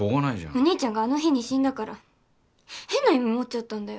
お兄ちゃんがあの日に死んだから変な意味もっちゃったんだよ。